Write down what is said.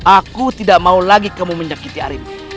aku tidak mau lagi kamu menyakiti arief